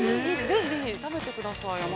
ぜひ食べてください。